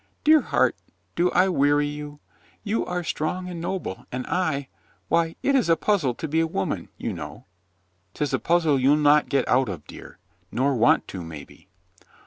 "Dear heart, do I weary you ? You are strong and noble, and I — why it is a puzzle to be a woman, you know." " 'Tis a puzzle you'll not get out of, dear. Nor want to, maybe."